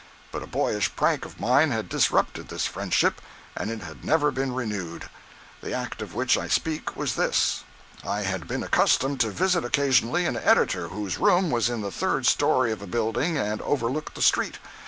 But a boyish prank of mine had disruptured this friendship and it had never been renewed. The act of which I speak was this. I had been accustomed to visit occasionally an editor whose room was in the third story of a building and overlooked the street.